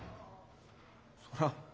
そりゃ